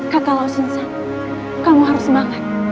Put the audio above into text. kakak lawsinsan kamu harus semangat